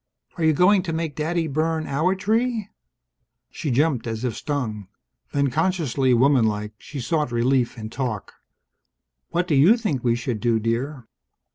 "Are you going to make Daddy burn our tree?" She jumped as if stung. Then, consciously womanlike, she sought relief in talk. "What do you think we should do, dear?"